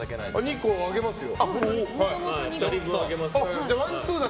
２個あげますよ。